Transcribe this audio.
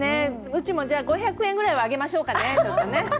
うちもじゃあ５００円ぐらいは上げましょうかね。